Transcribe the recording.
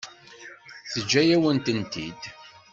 Teǧǧa-yawen-tent-id.